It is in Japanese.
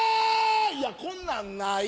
いやこんなんない。